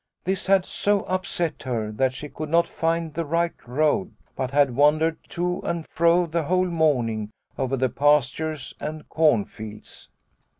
This had so upset her that she could not find the right road, but had wandered to and fro the whole morning over the pastures and cornfields.